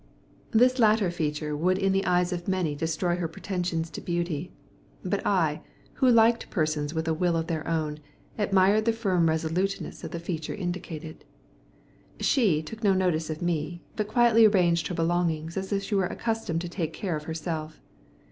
This latter feature would in the eyes of many destroy her pretensions to beauty, but I, who liked persons with a will of their own, admired the firm resoluteness the feature indicated. She took no notice of me, but quietly arranged her belongings as if she were accustomed to take care of herself.